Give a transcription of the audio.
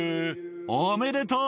おめでとう。